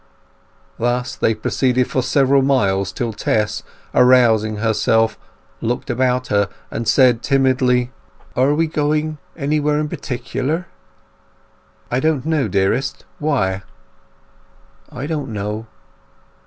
Thus they proceeded for several miles till Tess, arousing herself, looked about her, and said, timidly— "Are we going anywhere in particular?" "I don't know, dearest. Why?" "I don't know."